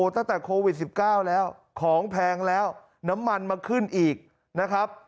ตั้งแต่โควิด๑๙แล้วของแพงแล้วน้ำมันมาขึ้นอีกนะครับ